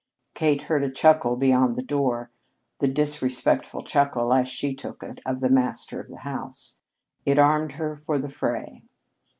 Kate heard a chuckle beyond the door the disrespectful chuckle, as she took it, of the master of the house. It armed her for the fray.